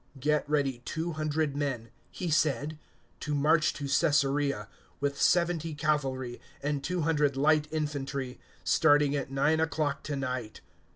"Get ready two hundred men," he said, "to march to Caesarea, with seventy cavalry and two hundred light infantry, starting at nine o'clock to night."